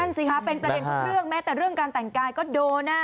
สิคะเป็นประเด็นทุกเรื่องแม้แต่เรื่องการแต่งกายก็โดนนะ